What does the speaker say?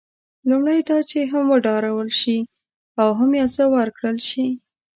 لومړی دا چې هم وډارول شي او هم یو څه ورکړل شي.